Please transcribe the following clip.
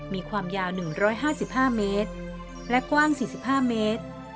มีความยาว๑๕๕เมตรและกว้าง๔๕เมตร